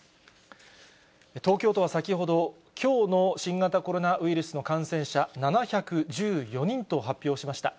東京都は先ほど、きょうの新型コロナウイルスの感染者、７１４人と発表しました。